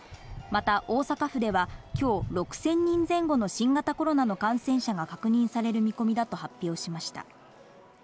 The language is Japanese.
また、大阪府ではきょう、６０００人前後の新型コロナの感染者が確認される見込みだと発表しました。